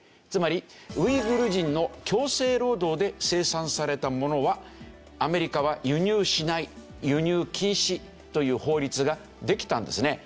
つまりウイグル人の強制労働で生産されたものはアメリカは輸入しない輸入禁止という法律ができたんですね。